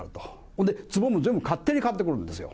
それでつぼも全部勝手に買ってくるんですよ。